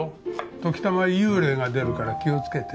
ときたま幽霊が出るから気をつけて。